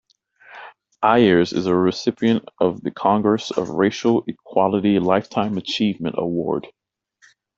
Ayers is a recipient of the Congress of Racial Equality Lifetime Achievement Award.